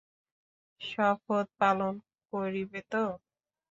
শপথ পালন করিবে তো?